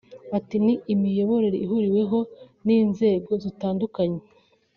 Ati “Ni imiyoborere ihuriweho n’inzego zitandukanye